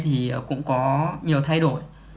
thì cũng có nhiều thay đổi